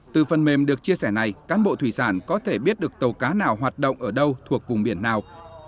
từ phần mềm được chia sẻ này cán bộ thủy sản có thể biết được tàu cá nào hoạt động ở đâu thuộc vùng biển nào